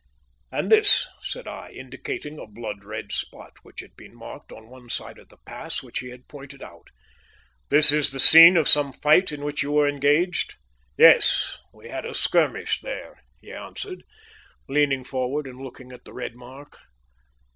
"And this," said I, indicating a blood red spot which had been marked on one side of the pass which he had pointed out "this is the scene of some fight in which you were engaged." "Yes, we had a skirmish there," he answered, leaning forward and looking at the red mark.